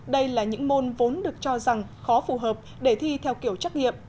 đây là những môn vốn được cho rằng khó phù hợp để thi theo kiểu trắc nghiệm